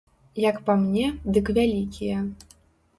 Як па мне, дык вялікія.